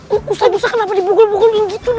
tuh usah usah kenapa dibungkul bungkul gitu